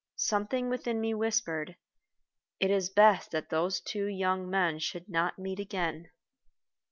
Something within me whispered, "It is best that those two young men should not meet again."